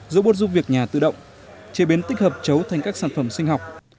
dỗ bột giúp việc nhà tự động chế biến tích hợp chấu thành các sản phẩm sinh học